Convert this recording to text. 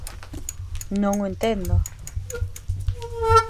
¡Non o entendo!